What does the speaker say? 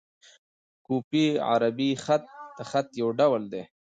کوفي عربي خط؛ د خط یو ډول دﺉ.